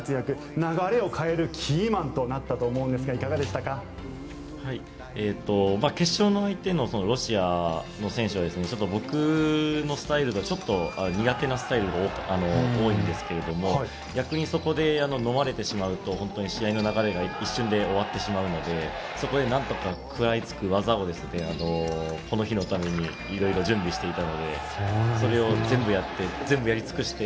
流れを変えるキーマンとなったと思うんですが決勝の相手のロシアの選手は僕のスタイルだと、ちょっと苦手なスタイルなんですけどそこでのまれてしまうと、試合が一瞬で終わってしまうのでそこで何とか食らいつく技をこの日のためにいろいろ準備していたのでそれを全部やり尽くして。